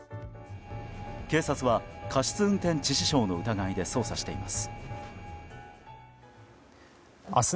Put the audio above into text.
警察は過失運転致死傷の疑いで捜査しています。